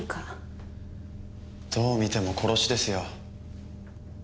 どう見ても殺しですよ。